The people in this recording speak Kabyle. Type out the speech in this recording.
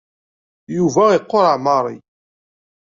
Yuba iqureɛ Mary.